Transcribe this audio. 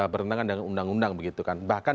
bertentangan dengan undang undang begitu kan bahkan